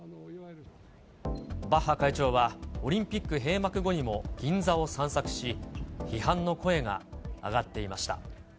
バッハ会長は、オリンピック閉幕後にも銀座を散策し、批判の声が上がっていました。